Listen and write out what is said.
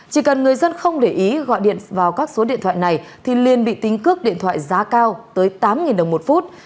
chỉ cần người dân không để ý gọi điện vào các số điện thoại này thì liên bị tính cước điện thoại giá cao tới tám đồng một phút